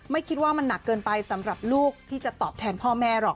คิดว่ามันหนักเกินไปสำหรับลูกที่จะตอบแทนพ่อแม่หรอก